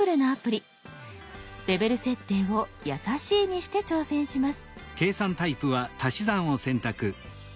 レベル設定を「やさしい」にして挑戦します。